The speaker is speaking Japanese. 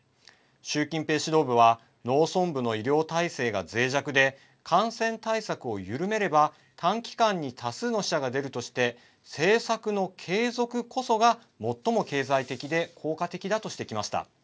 習近平指導部は農村部の医療体制が、ぜい弱で感染対策を緩めれば、短期間に多数の死者が出るとして政策の継続こそが最も経済的で効果的だとしてきました。